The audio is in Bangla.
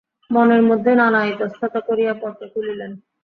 মনের মধ্যে নানা ইতস্তত করিয়া পত্র খুলিলেন।